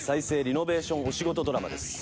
リノベーションお仕事ドラマです。